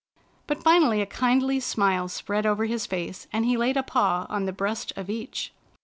But finally a kindly smile spread over his face, and he laid a paw on the breast of each.